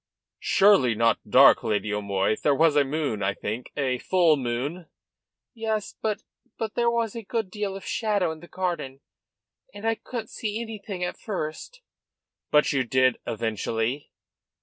"Surely not dark, Lady O'Moy? There was a moon, I think a full moon?" "Yes; but but there was a good deal of shadow in the garden, and and I couldn't see anything at first." "But you did eventually?"